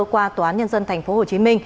qua tòa án nhân dân tp hcm